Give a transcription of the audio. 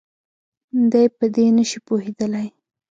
دی په دې نه شي پوهېدلی.